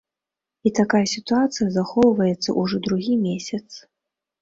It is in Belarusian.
І такая сітуацыя захоўваецца ўжо другі месяц.